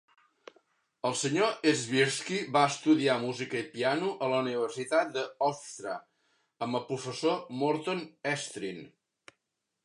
El Sr. Swirsky va estudiar música i piano a la Universitat de Hofstra amb el professor Morton Estrin.